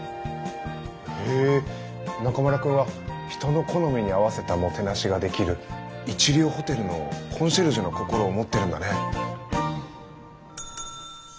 へえ中村くんは人の好みに合わせたもてなしができる一流ホテルのコンシェルジュの心を持ってるんだね。